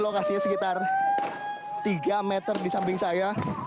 lokasinya sekitar tiga meter di samping saya